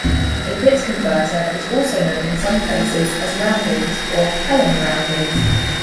A bit converter is also known in some places as 'roundings' or 'pelham roundings'.